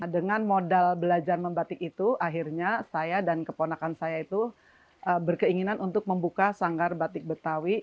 dengan modal belajar membatik itu akhirnya saya dan keponakan saya itu berkeinginan untuk membuka sanggar batik betawi